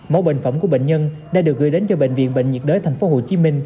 mẫu bệnh phẩm của bệnh nhân đã được gửi đến cho bệnh viện bệnh nhiệt đới tp hcm